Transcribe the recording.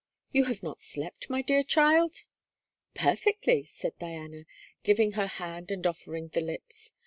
'You have not slept, my dear child?' 'Perfectly,' said Diana, giving her hand and offering the lips.